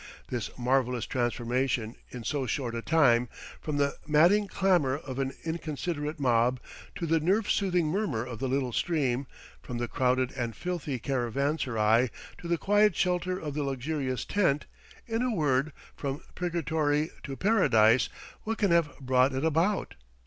This marvellous transformation in so short a time from the madding clamor of an inconsiderate mob, to the nerve soothing murmur of the little stream; from the crowded and filthy caravanserai to the quiet shelter of the luxurious tent; in a word, from purgatory to Paradise what can have brought it about?